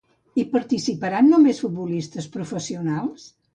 Hi participaran només futbolistes professionals?